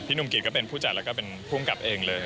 หนุ่มกิจก็เป็นผู้จัดแล้วก็เป็นภูมิกับเองเลย